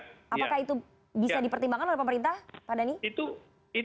itu bisa dipertimbangkan oleh pemerintah pak adhani